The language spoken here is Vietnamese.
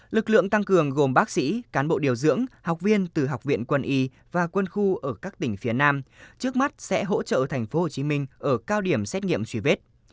lực lượng tăng cường gồm bác sĩ cán bộ điều dưỡng học viên từ học viện quân y và quân khu ở các tỉnh phía nam trước mắt sẽ hỗ trợ tp hcm ở cao điểm xét nghiệm truy vết